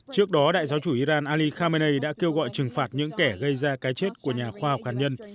trước đó đại giáo chủ iran ali khamenei đã kêu gọi trừng phạt những kẻ gây ra cái chết của nhà khoa học hạt nhân